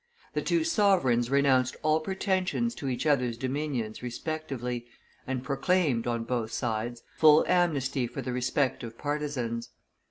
The two sovereigns renounced all pretensions to each other's dominions respectively, and proclaimed, on both sides, full amnesty for the respective partisans.